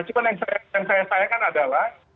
cuma yang saya sayangkan adalah